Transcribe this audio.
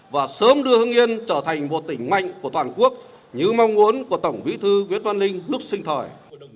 và sớm đưa hương yên trở thành một tỉnh mạnh của toàn quốc như mong muốn của tổng bí thư nguyễn văn linh lúc sinh thời